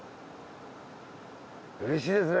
うれしいですね。